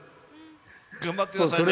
頑張ってくださいね。